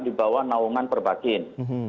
di bawah naungan perbakin